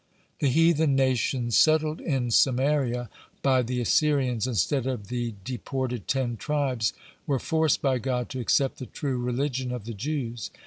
(45) The heathen nations settled in Samaria by the Assyrians instead of the deported Ten Tribes were forced by God to accept the true religion of the Jews.